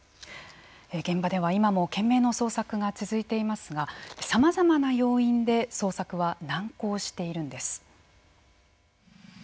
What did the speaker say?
現場では今も懸命の捜索が続いていますがさまざまな要因で捜索は難航しているんです。